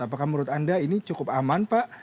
apakah menurut anda ini cukup aman pak